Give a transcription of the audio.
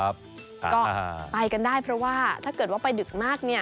ก็ไปกันได้เพราะว่าถ้าเกิดว่าไปดึกมากเนี่ย